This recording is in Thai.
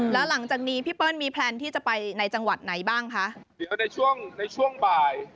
แล้วหลังจากนี้พี่เปิ้ลมีแพลนที่จะไปในจังหวัดไหนบ้างคะเดี๋ยวในช่วงในช่วงบ่าย